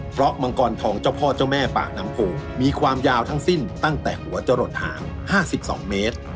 เพราะมังกรทองเจ้าพ่อเจ้าแม่ปากน้ำโพมีความยาวทั้งสิ้นตั้งแต่หัวจะหลดหาง๕๒เมตร